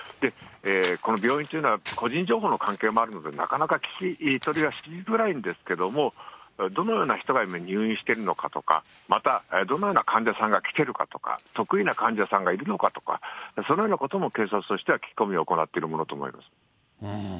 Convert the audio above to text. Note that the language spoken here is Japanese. この病院というのは、個人情報の関係もあるので、なかなか聞き取りはしづらいんですけども、どのような人が入院しているのかとか、また、どのような患者さんが来てるかとか、特異な患者さんがいるのかとか、そのようなことも警察としては聞き込みを行っているものと思います。